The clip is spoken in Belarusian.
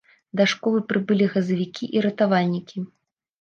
Да школы прыбылі газавікі і ратавальнікі.